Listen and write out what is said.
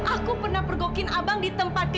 aku pernah pergokin abang di tempat